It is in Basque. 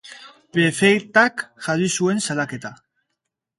Prefetak jarri zuen salaketa.